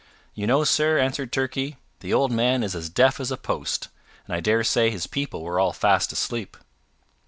"You know, sir," answered Turkey, "the old man is as deaf as a post, and I dare say his people were all fast asleep."